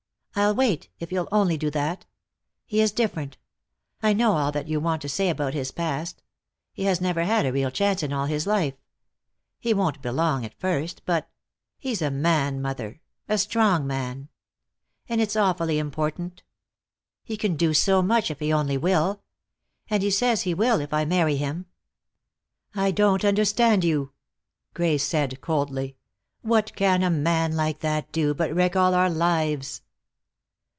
I'll wait, if you'll only do that. He is different; I know all that you want to say about his past. He has never had a real chance in all his life. He won't belong at first, but he's a man, mother, a strong man. And it's awfully important. He can do so much, if he only will. And he says he will, if I marry him." "I don't understand you," Grace said coldly. "What can a man like that do, but wreck all our lives?"